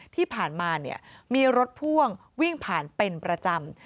ที่ผ่านมามีรถพ่วงวิ่งผ่านเป็นประจำ